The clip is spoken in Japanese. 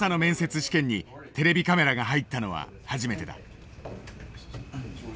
試験にテレビカメラが入ったのは初めてだ。